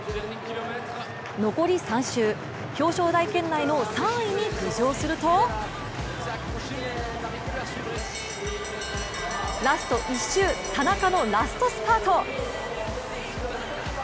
残り３周、表彰台圏内の３位に浮上するとラスト１周、田中のラストスパート！